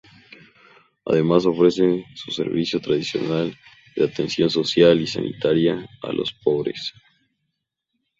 Además ofrecen su servicio tradicional de atención social y sanitaria a los pobres.